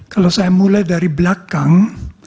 kalau saya mulai dari belakang